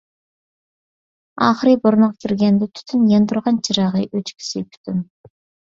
ئاخىرى بۇرنىغا كىرگەندە تۈتۈن، ياندۇرغان چىراغى ئۆچكۈسى پۈتۈن.